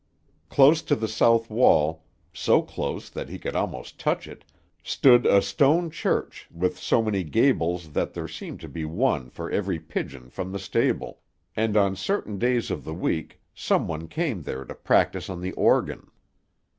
Close to the south wall, so close that he could almost touch it, stood a stone church, with so many gables that there seemed to be one for every pigeon from the stable, and on certain days of the week someone came there to practise on the organ.